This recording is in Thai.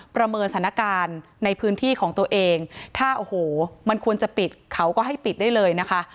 ประเมินสถานการณ์ในพื้นที่ของตัวเองถ้าโอ้โหมันควรจะปิดเขาก็ให้ปิดได้เลยนะคะ